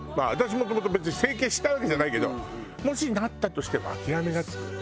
もともと別に整形したいわけじゃないけどもしなったとしても諦めがつく。